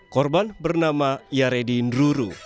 korban bernama yaredi inruru